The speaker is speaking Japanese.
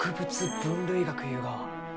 分類学いうがは。